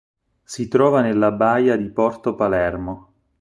Si trova nella baia di Porto Palermo.